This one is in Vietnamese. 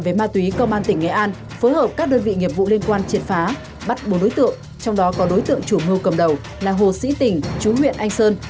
về ma túy công an tỉnh nghệ an phối hợp các đơn vị nghiệp vụ liên quan triệt phá bắt bốn đối tượng trong đó có đối tượng chủ mưu cầm đầu là hồ sĩ tỉnh chú huyện anh sơn